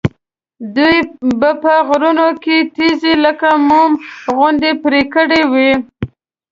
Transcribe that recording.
دوی به په غرونو کې تیږې لکه موم غوندې پرې کړې وي.